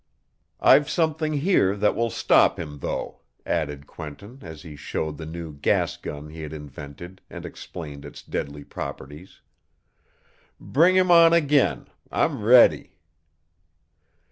"I've something here that will stop him, though," added Quentin, as he showed the new gas gun he had invented and explained its deadly properties. "Bring him on again I'm ready."